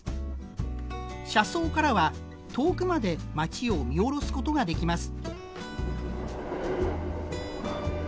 車窓からは遠くまで町を見下ろすことができます。